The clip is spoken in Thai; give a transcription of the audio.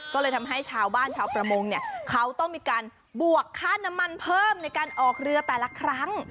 ก็เลยทำให้ชาวบ้านชาวประมงเนี่ยเขาต้องมีการบวกค่าน้ำมันเพิ่มในการออกเรือแต่ละครั้ง